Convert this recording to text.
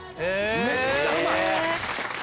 めっちゃうまい！